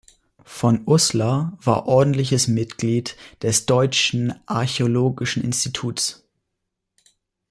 Von Uslar war ordentliches Mitglied des Deutschen Archäologischen Instituts.